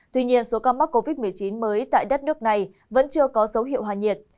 tuy nhiên số ca mắc covid một mươi chín mới tại đất nước này vẫn chưa có dấu hiệu hạ nhiệt